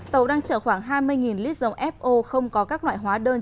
tàu đang chở khoảng hai mươi lít dầu fo không có các loại hóa đơn